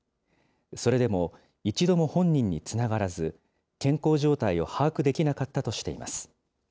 それでも一度も本人につながらず、健康状態を把握できなかったとしています。